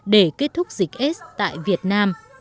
để kết thúc dịch s tại việt nam